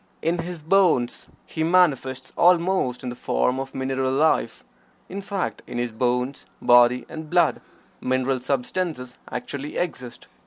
In his bones he manifests almost in the form of mineral life, in fact, in his bones, body and blood mineral substances actually exist.